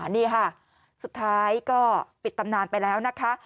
นี่ค่ะสุดท้ายก็ปิดตำนานไปแล้วนะคะ